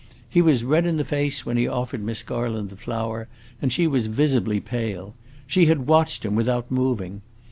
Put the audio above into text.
He was red in the face when he offered Miss Garland the flower, and she was visibly pale. She had watched him without moving.